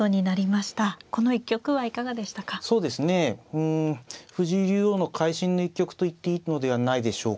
うん藤井竜王の会心の一局と言っていいのではないでしょうか。